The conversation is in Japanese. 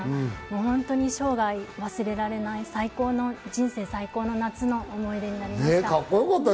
本当に一生涯忘れられない人生最高の夏の思い出になりました。